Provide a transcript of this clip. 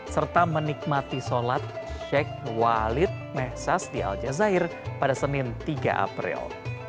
serta menikmati sholat sheikh walid mesaz di al jazair pada senin tiga april